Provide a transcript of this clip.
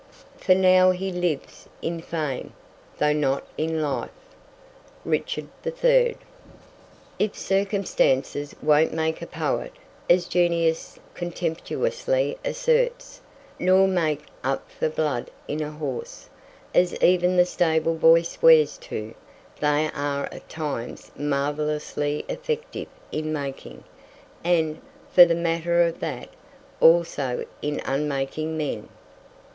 "For now he lives in fame, though not in life." Richard III. If circumstances won't make a poet, as genius contemptuously asserts, nor make up for blood in a horse, as even the stable boy swears to, they are at times marvellously effective in making, and, for the matter of that, also in unmaking men.